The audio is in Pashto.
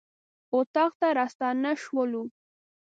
اطاق ته راستانه شولو.